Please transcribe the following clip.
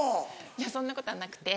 いやそんなことはなくて。